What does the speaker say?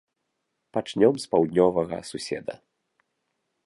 Пачнём з паўднёвага суседа.